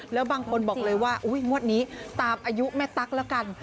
แล้วบางคนบอกเลยว่างวดนี้ตามอายุแม่ตั๊กแล้วกัน